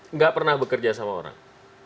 nggak pernah bekerja sama orang